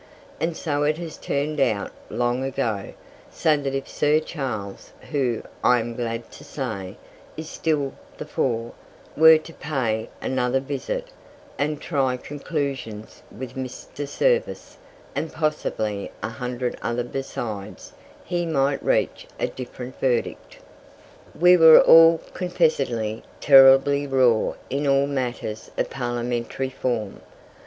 And so it has turned out long ago; so that if Sir Charles, who, I am glad to say, is still to the fore, were to pay another visit, and try conclusions with Mr. Service, and possibly a hundred others besides, he might reach a different verdict. We were all, confessedly, terribly raw in all matters of Parliamentary form.